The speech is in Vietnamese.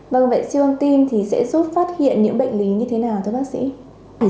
vâng vậy siêu âm tim thì sẽ giúp phát hiện những bệnh lý như thế nào thưa bác sĩ